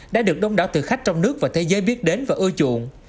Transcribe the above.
đã được đông đảo từ khách trong nước và thế giới biết đến và ưa chuộng